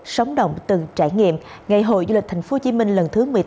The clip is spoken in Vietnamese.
sống động từng trải nghiệm ngày hội du lịch tp hcm lần thứ một mươi tám